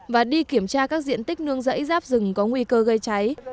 và đi kiểm tra các diện tích nương rẫy giáp rừng có nguy cơ gây cháy